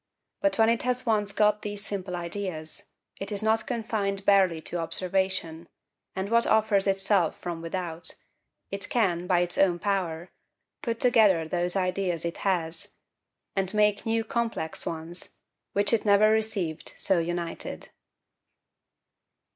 But when it has once got these simple ideas, it is not confined barely to observation, and what offers itself from without; it can, by its own power, put together those ideas it has, and make new complex ones, which it never received so united.